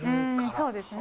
そうですね。